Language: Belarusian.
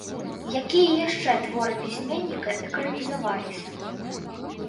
Якія яшчэ творы пісьменніка экранізаваліся.